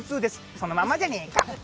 そのままじゃねえか！